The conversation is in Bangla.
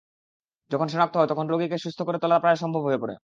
যখন শনাক্ত হয়, তখন রোগীকে সুস্থ করে তোলা প্রায় অসম্ভব হয়ে পড়ে।